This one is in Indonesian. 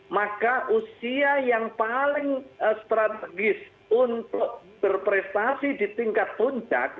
maka usia yang paling strategis untuk berprestasi di tingkat puncak